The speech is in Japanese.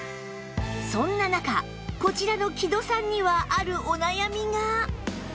そんな中こちらの木戸さんにはあるお悩みが